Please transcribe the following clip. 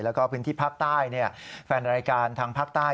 แล้วก็พื้นที่ภาคใต้แฟนรายการทางภาคใต้